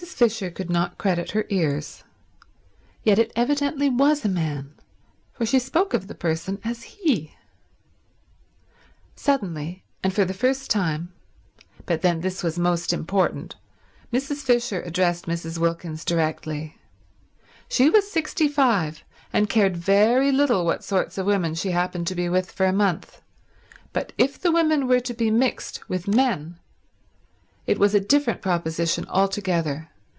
Mrs. Fisher could not credit her ears. Yet it evidently was a man, for she spoke of the person as he. Suddenly and for the first time—but then this was most important—Mrs. Fisher addressed Mrs. Wilkins directly. She was sixty five, and cared very little what sorts of women she happened to be with for a month, but if the women were to be mixed with men it was a different proposition altogether.